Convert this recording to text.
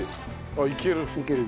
あっいける？